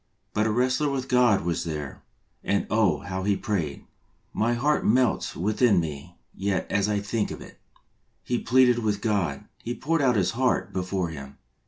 But a wrestler with God was there, and oh, how he prayed ! My heart melts within me yet as I think of it. He pleaded with God, he poured out his heart before Him.